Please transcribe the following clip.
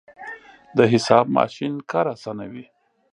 د حساب ماشین کار اسانوي.